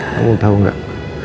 kamu tau gak